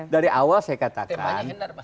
dari awal saya katakan